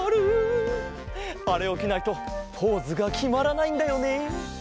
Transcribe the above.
あれをきないとポーズがきまらないんだよね。